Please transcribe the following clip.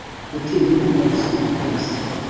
Gutinya Uhoraho bisumba byose,